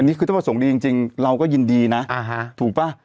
นี่คือต้องประสงค์ดีจริงเราก็ยินดีนะถูกป่ะ